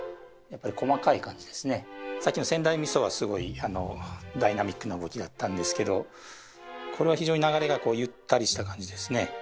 さっきの仙台みそはすごいダイナミックな動きだったんですけどこれは非常に流れがゆったりした感じですね。